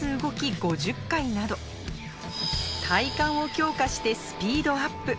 ５０回など体幹を強化して、スピードアップ。